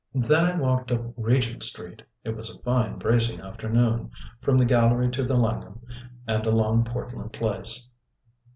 "Then I walked up Regent Street it was a fine bracing afternoon from the Gallery to the 'Langham,' and along Portland Place."